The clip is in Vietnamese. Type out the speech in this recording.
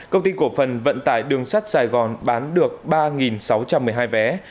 công ty cổ phần vận tải đường sắt sài gòn bán được ba sáu trăm một mươi hai vé